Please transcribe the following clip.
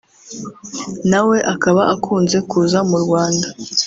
nawe akaba akunze kuza mu Rwanda